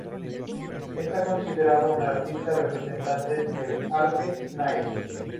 Está considerado un artista representante del arte naif.